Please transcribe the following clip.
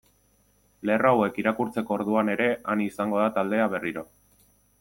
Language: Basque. Lerro hauek irakurtzeko orduan ere han izango da taldea berriro.